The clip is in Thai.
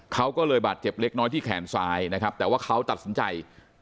เขาก็เลยบาดเจ็บเล็กน้อยที่แขนซ้ายนะครับแต่ว่าเขาตัดสินใจ